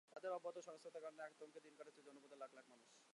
তাদের অব্যাহত সহিংসতার কারণে আতঙ্কে দিন কাটাচ্ছে জনপদের লাখ লাখ মানুষ।